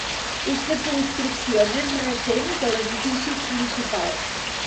És de construcció més recent que l'edifici principal.